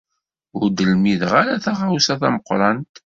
Ur d-lmideɣ ara taɣawsa tameqrant.